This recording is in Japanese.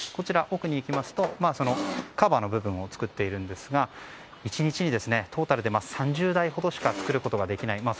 奥に行きますとカバーの部分を作っていますが１日にトータルで３０台ほどしか作ることができない。